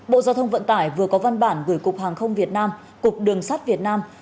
bộ giao thông vận tải vừa có văn bản gửi cục hàng không việt nam cục đường sắt việt nam